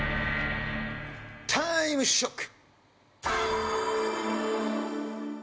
タイムショック！